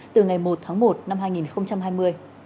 từ ngày một tháng một năm hai nghìn hai mươi